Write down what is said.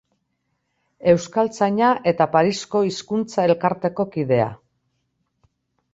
Euskaltzaina eta Parisko Hizkuntza Elkarteko kidea.